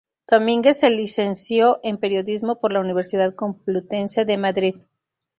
Domínguez se licenció en Periodismo por la Universidad Complutense de Madrid.